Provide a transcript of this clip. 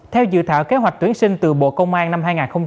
theo dự thảo kế hoạch tuyển sinh từ bộ công an năm hai nghìn một mươi chín